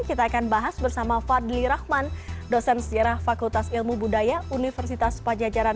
kita akan bahas bersama fadli rahman dosen sejarah fakultas ilmu budaya universitas pajajaran